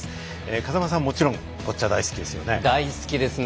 風間さん、もちろんボッチャ大好きですよね？